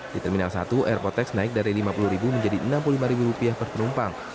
di terminal satu airport tax naik dari rp lima puluh menjadi rp enam puluh lima per penumpang